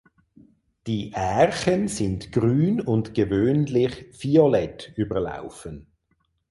Die Ährchen sind grün und gewöhnlich violett überlaufen.